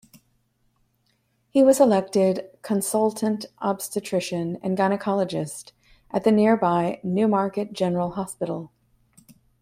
He was elected consultant obstetrician and gynaecologist at the nearby Newmarket General Hospital.